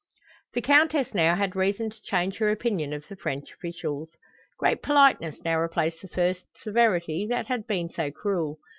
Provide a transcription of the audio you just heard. The Countess now had reason to change her opinion of the French officials. Great politeness now replaced the first severity that had been so cruel.